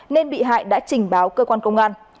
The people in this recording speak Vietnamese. nên bị hại đã trình báo cơ quan công an